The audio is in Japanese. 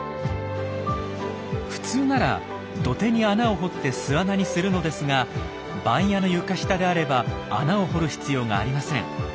普通なら土手に穴を掘って巣穴にするのですが番屋の床下であれば穴を掘る必要がありません。